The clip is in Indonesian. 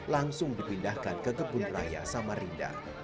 langsung dipindahkan ke kebun raya samarinda